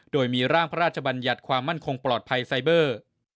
โดยมีร่างพระราชบัญญัติความมั่นคงปลอดภัยไซเบอร์